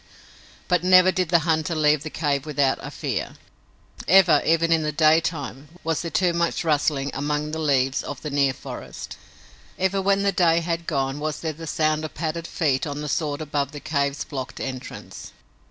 But never did the hunter leave the cave without a fear. Ever, even in the daytime, was there too much rustling among the leaves of the near forest. Ever when day had gone was there the sound of padded feet on the sward about the cave's blocked entrance.